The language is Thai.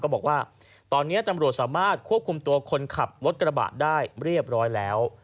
บอกว่าตอนนี้ตำรวจสามารถควบคุมตัวคนขับรถกระบะได้เรียบร้อยแล้ว